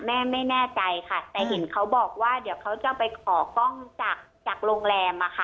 แม่ไม่แน่ใจค่ะแต่เห็นเขาบอกว่าเดี๋ยวเขาจะไปขอกล้องจากโรงแรมอะค่ะ